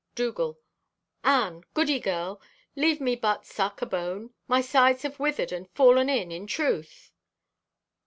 Dougal.—"Anne, goody girl, leave me but suck a bone. My sides have withered and fallen in, in truth."